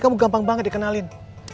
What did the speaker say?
kalau gini gampang banget di kenalin